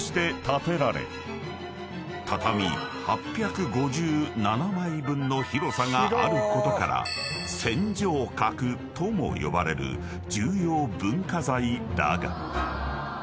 建てられ畳８５７枚分の広さがあることから千畳閣とも呼ばれる重要文化財だが］